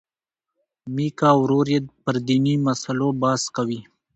میکا او ورور یې پر دیني مسلو بحث کوي.